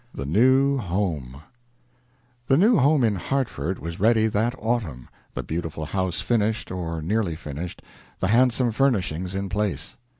THE NEW HOME The new home in Hartford was ready that autumn the beautiful house finished, or nearly finished, the handsome furnishings in place.